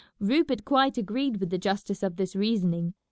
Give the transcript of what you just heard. Rupert quite agreed with the justice of this reasoning.